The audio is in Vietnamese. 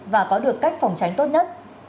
và có được cách phòng tránh tốt nhất